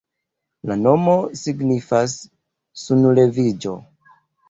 La nomo signifas "sunleviĝo".